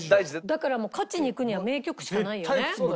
だから勝ちにいくには名曲しかないよね。